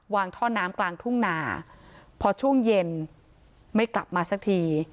ท่อน้ำกลางทุ่งนาพอช่วงเย็นไม่กลับมาสักที